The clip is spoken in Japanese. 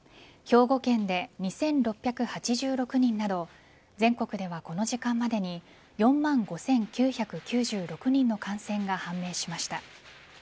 兵庫県で２６８６人など全国ではこの時間までに４万５９９６人の感染が判明しました。